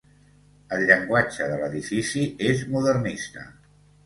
El llenguatge de l'edifici és modernista.